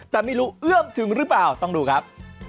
แต่ไม่รู้เอื้อมถึงหรือเปล่าต้องดูครับ